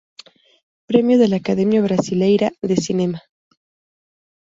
Premio de la Academia Brasileira de Cinema.